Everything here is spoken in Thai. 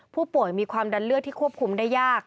มีความดันเลือดที่ควบคุมได้ยาก